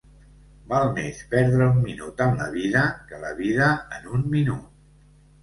Val més perdre un minut en la vida que la vida en un minut.